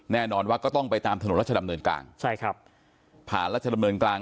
แน่นอนว่าก็ต้องไปตามถนนรัชดำเนินกลางใช่ครับผ่านรัชดำเนินกลาง